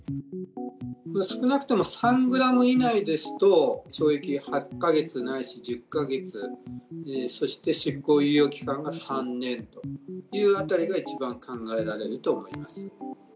少なくとも３グラム以内ですと、懲役８か月ないし１０か月、そして執行猶予期間が３年というあたりが、一番考えられると思います。